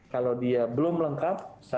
kalau dia belum lengkap